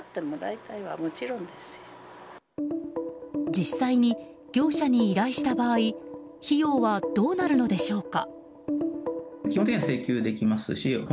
実際に業者に依頼した場合費用はどうなるのでしょうか。